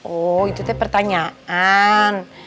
oh itu tuh pertanyaan